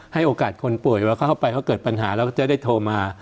ให้โอกาสคนป่วยเวลาเข้าไปเขาเกิดปัญหาเราก็จะได้โทรมา